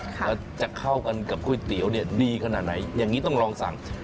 แล้วจะเข้ากันกับก๋วยเตี๋ยวเนี่ยดีขนาดไหนอย่างนี้ต้องลองสั่ง